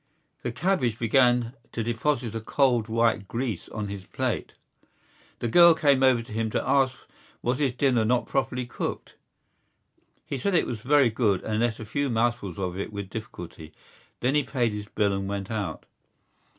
The cabbage began to deposit a cold white grease on his plate. The girl came over to him to ask was his dinner not properly cooked. He said it was very good and ate a few mouthfuls of it with difficulty. Then he paid his bill and went out.